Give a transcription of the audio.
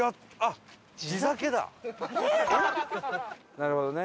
なるほどね。